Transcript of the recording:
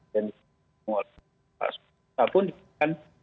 yang disampaikan oleh pak sukamta pun